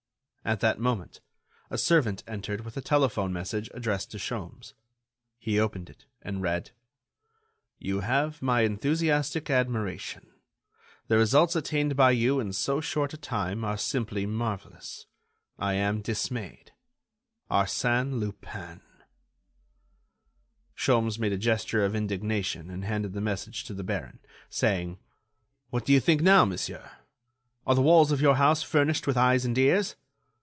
At that moment, a servant entered with a telephone message addressed to Sholmes. He opened it, and read: "You have my enthusiastic admiration. The results attained by you in so short a time are simply marvellous. I am dismayed. "ARSÈNE LUPIN." Sholmes made a gesture of indignation and handed the message to the baron, saying: "What do you think now, monsieur? Are the walls of your house furnished with eyes and ears?"